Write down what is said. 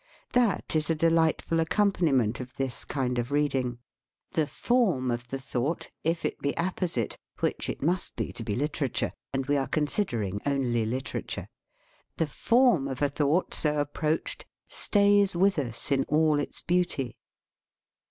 That is a delightful accompani ment of this kind of reading. The form of the thought, if it be apposite (which it must be to be literature, and we are considering only literature), the form of a thought so approached stays with us in all its beauty.